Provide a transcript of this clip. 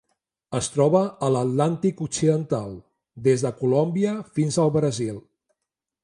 Es troba a l'Atlàntic occidental: des de Colòmbia fins al Brasil.